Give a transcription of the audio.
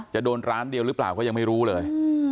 จะโดนร้านเดียวหรือเปล่าก็ยังไม่รู้เลย